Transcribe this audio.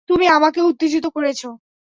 তুমি আমাকেও উত্তেজিত করেছ।